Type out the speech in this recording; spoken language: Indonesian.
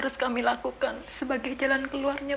tidak bisa tidur lagi setelahnya